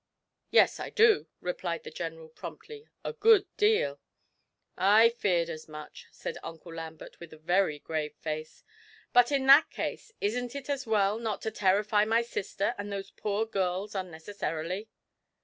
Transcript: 'Yes, I do,' replied the General, promptly, 'a good deal.' 'I feared as much,' said Uncle Lambert, with a very grave face. 'But in that case, isn't it as well not to terrify my sister and those poor girls unnecessarily?'